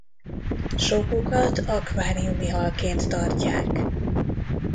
Sokukat akváriumi halként tartják.